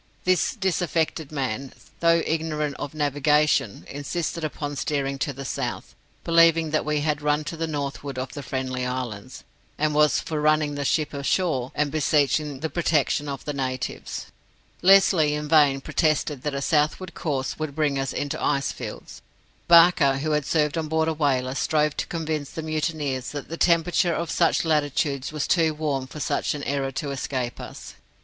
This disaffected man, though ignorant of navigation, insisted upon steering to the south, believing that we had run to the northward of the Friendly Islands, and was for running the ship ashore and beseeching the protection of the natives. Lesly in vain protested that a southward course would bring us into icefields. Barker, who had served on board a whaler, strove to convince the mutineers that the temperature of such latitudes was too warm for such an error to escape us.